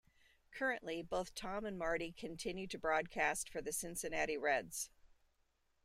Currently, both Thom and Marty continue to broadcast for the Cincinnati Reds.